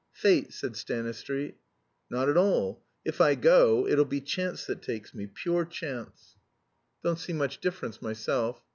"Fate," said Stanistreet. "Not at all. If I go, it'll be chance that takes me pure chance." "Don't see much difference myself."